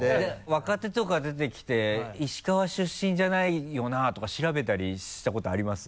若手とか出てきて石川出身じゃないよなとか調べたりしたことあります？